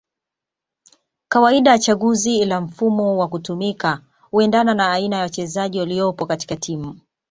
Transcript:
kawaida chaguzi la mfumo wa kutumika huendana na aina ya wachezaji waliopo katika timu